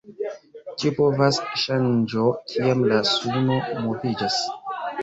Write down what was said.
Tio povas ŝanĝo kiam la suno moviĝas.